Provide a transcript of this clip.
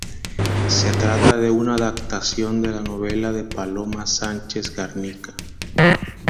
Se trata de una adaptación de la novela de Paloma Sánchez-Garnica.